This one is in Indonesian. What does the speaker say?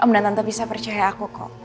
om dan tante bisa percaya aku kok